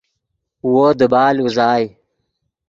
وو دیبال اوزائے